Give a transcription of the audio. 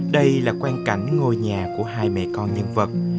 đây là quan cảnh ngôi nhà của hai mẹ con nhân vật